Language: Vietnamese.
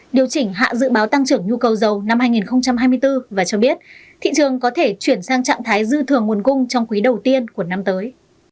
điều chỉnh hạ dự báo tăng trưởng nhu cầu dầu năm hai nghìn hai mươi bốn và cho biết thị trường có thể chuyển sang trạng thái dư thường nguồn cung trong quý đầu tiên của năm tới